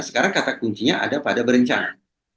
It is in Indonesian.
sekarang kata kuncinya ada pada berencana